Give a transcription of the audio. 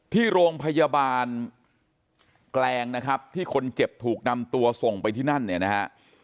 ที่โรงพยาบาลแกลงนะครับที่คนเจ็บถูกนำตัวส่งไปที่นั่นเนี่ยนะฮะ